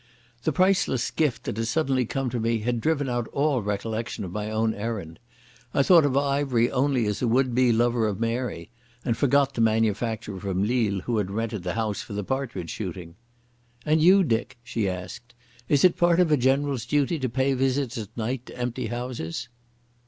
The priceless gift that had suddenly come to me had driven out all recollection of my own errand. I thought of Ivery only as a would be lover of Mary, and forgot the manufacturer from Lille who had rented his house for the partridge shooting. "And you, Dick," she asked; "is it part of a general's duties to pay visits at night to empty houses?"